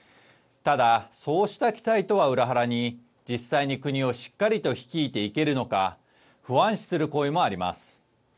ただ、そうした期待とは裏腹に実際に国をしっかりと率いていけるのか、不安視する声もあります。